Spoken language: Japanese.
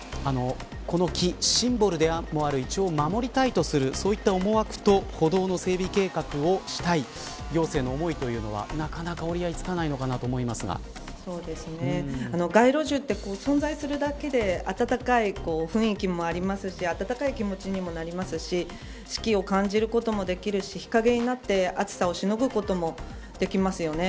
この木、シンボルでもあるイチョウを守りたいとするそういった思惑と歩道の整備計画をしたい行政の思いというのはなかなか折り合いつかないのかな街路樹って存在するだけで温かい雰囲気もありますし温かい気持ちにもなりますし四季を感じることもできるし日陰になって暑さをしのぐこともできますよね。